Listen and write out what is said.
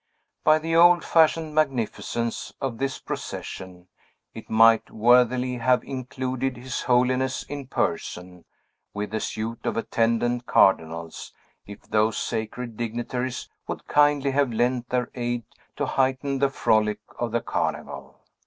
By the old fashioned magnificence of this procession, it might worthily have included his Holiness in person, with a suite of attendant Cardinals, if those sacred dignitaries would kindly have lent their aid to heighten the frolic of the Carnival.